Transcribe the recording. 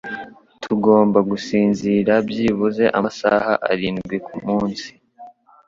Tugomba gusinzira byibuze amasaha arindwi kumunsi.